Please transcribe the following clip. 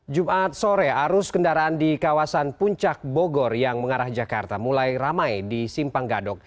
jumat sore arus kendaraan di kawasan puncak bogor yang mengarah jakarta mulai ramai di simpang gadok